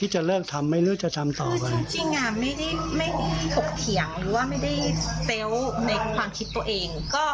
จริงไม่ได้ถูกเถียงไม่ได้เซลล์ในความคิดตัวเอง